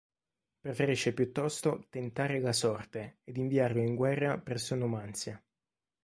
Preferisce piuttosto "tentare la sorte" ed inviarlo in guerra presso Numanzia.